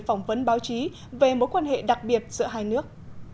phỏng vấn báo chí về mối quan hệ đặc biệt giữa hai nước